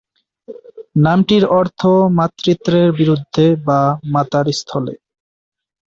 নামটির অর্থ "মাতৃত্বের বিরুদ্ধে" বা "মাতার স্থলে"।